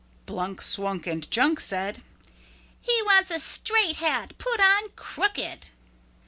Blunk, Swunk and Junk said, "He wants a straight hat put on crooked."